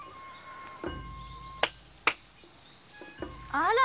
あら？